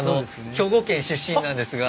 兵庫県出身なんですが。